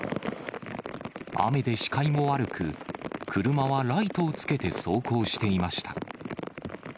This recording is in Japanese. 雨で視界も悪く、車はライトをつけて走行していました。